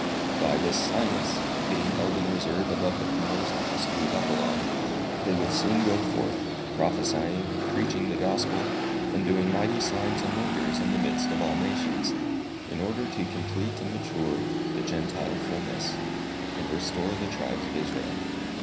By this science (being held in reserve above the powers of mystery Babylon,) they will soon go forth, prophesying, preaching the Gospel, and doing mighty signs and wonders in the midst of all nations, in order to complete and mature the Gentile fulness, and restore the tribes of Israel.